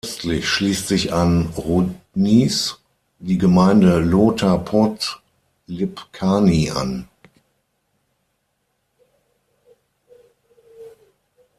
Östlich schließt sich an Roudnice die Gemeinde Lhota pod Libčany an.